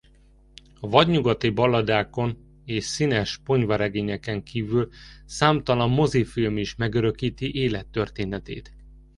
A vadnyugati balladákon és színes ponyvaregényeken kívül számtalan mozifilm is megörökíti élettörténetét.